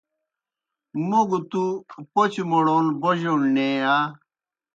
موْ گہ تُوْ پوْچہ موڑون بوجوݨ نیں یا؟